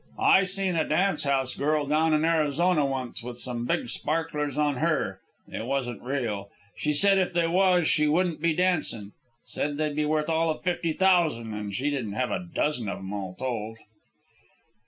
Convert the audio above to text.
"I seen a dance house girl down in Arizona once, with some big sparklers on her. They wasn't real. She said if they was she wouldn't be dancin'. Said they'd be worth all of fifty thousan', an' she didn't have a dozen of 'em all told."